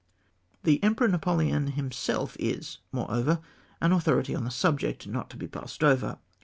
The Emperor Napoleon himself is, moreover, an authority on the subject, not to be passed over.